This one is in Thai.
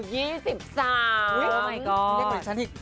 นี่เหลือชั้นอีก